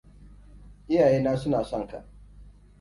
Iyayena suna son ka.